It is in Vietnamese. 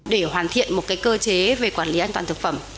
để hoàn thiện một cơ chế về quản lý an toàn thực phẩm